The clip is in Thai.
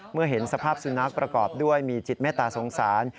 เมื่อเห็นสภาพสุนัขประกอบด้วยมีจิตเมตตาสงสาร